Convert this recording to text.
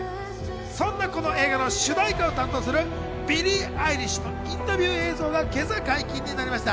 そんなこの映画の主題歌を担当するビリー・アイリッシュのインタビュー映像が今朝、解禁になりました。